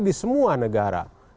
di semua negara